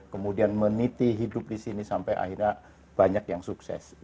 kemudian meniti hidup di sini sampai akhirnya banyak yang sukses